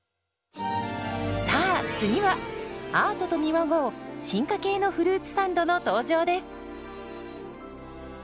さあ次はアートと見まごう進化系のフルーツサンドの登場です。